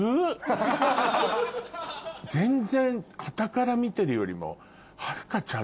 全然はたから見てるよりも。